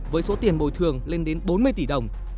với số tiền bồi thường lên đến bốn mươi tỷ đồng